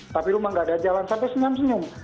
tapi rumah tidak ada jalan sampai senyum senyum